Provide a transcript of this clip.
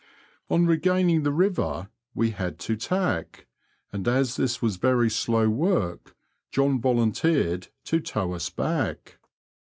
On regaining the river we had to tack, and as this was very slow work, John volunteered to tow us back.